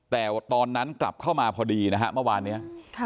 แต่ตอนนั้นกลับเข้ามาพอดีนะฮะเมื่อวานนี้